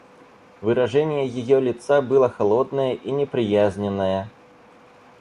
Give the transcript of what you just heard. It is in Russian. Выражение ее лица было холодное и неприязненное.